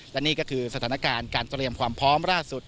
และนี่ก็คือสถานการณ์การเตรียมความพร้อมล่าสุด